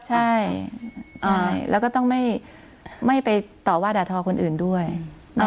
ใช่แล้วก็ต้องไม่ไปต่อว่าด่าทอคนอื่นด้วย